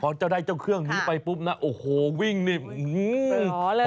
พอเจ้าได้เจ้าเครื่องนี้ไปปุ๊บนะโอ้โหวิ่งนี่ขอเลย